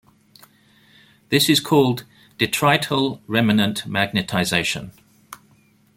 This is called "detrital remanent magnetization".